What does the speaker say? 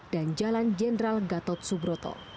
dan jalan jenderal gatot subroto